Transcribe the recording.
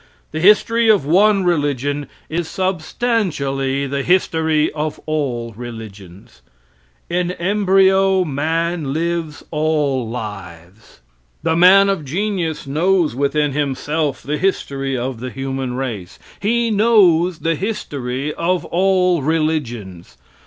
The history of one religion is substantially the history of all religions. In embryo man lives all lives. The man of genius knows within himself the history of the human race; he knows the history of all religions.